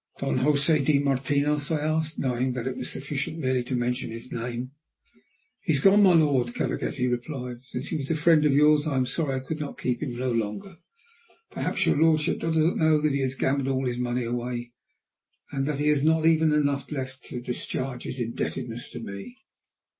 "Don Josè de Martinos?" I asked, knowing that it was sufficient merely to mention his name. "He is gone, my lord," Galaghetti replied. "Since he was a friend of yours, I am sorry I could keep him no longer. Perhaps your lordship does not know that he has gambled all his money away, and that he has not even enough left to discharge his indebtedness to me."